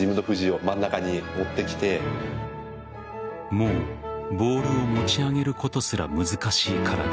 もう、ボールを持ち上げることすら難しい体。